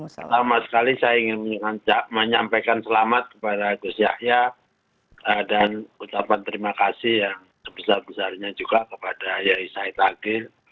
sama sekali saya ingin menyampaikan selamat kepada gus yahya dan ucapan terima kasih yang sebesar besarnya juga kepada yai said agil